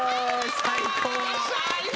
最高。